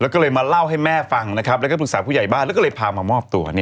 ก็เลยมาเล่าให้แม่ฟังและปรึกษาผู้ใหญ่บ้านแล้วก็พามามอบตัว